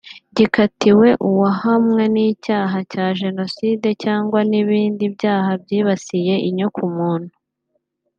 gikatiwe uwahamwe n’icyaha cya Jenoside cyangwa ibindi byaha byibasiye inyokomuntu